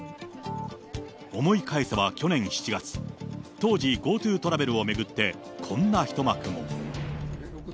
思い返せば去年７月、当時ＧｏＴｏトラベルを巡って、こんな一幕も。